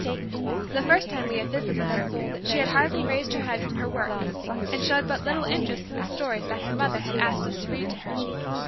The first time we had visited her, she had hardly raised her head from her work, and showed but little interest in the stories that her mother had asked us to read to her.